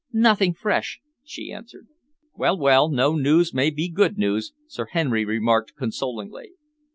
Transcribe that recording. "Nothing fresh," she answered. "Well, well, no news may be good news," Sir Henry remarked consolingly.